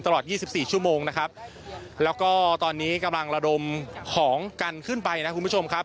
ยี่สิบสี่ชั่วโมงนะครับแล้วก็ตอนนี้กำลังระดมของกันขึ้นไปนะคุณผู้ชมครับ